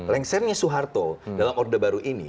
lengsernya soeharto dalam orde baru ini